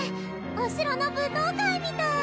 お城の舞踏会みたい！